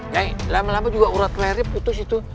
ya lama lama juga urat lehernya putus itu